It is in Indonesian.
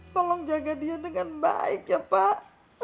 tolong jaga dia dengan baik ya pak